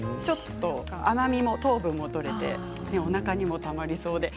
甘みも糖分もとれておなかにもたまるそうです。